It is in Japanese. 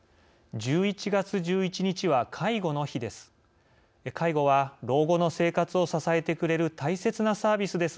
１１月１１日は介護の日です。